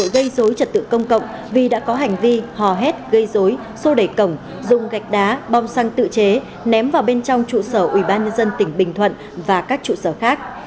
gây dối trật tự công cộng vì đã có hành vi hò hét gây dối xô đẩy cổng dùng gạch đá bom xăng tự chế ném vào bên trong trụ sở ubnd tỉnh bình thuận và các trụ sở khác